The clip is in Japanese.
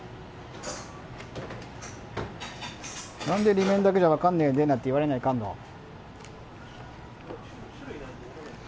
何で裏面だけじゃ分からないんでなんて言われないかんの？